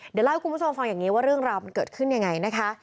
เดี๋ยวเล่าให้คุณผู้ชมฟังอย่างนี้ว่าเรื่องราวมันเกิดขึ้นยังไงนะคะ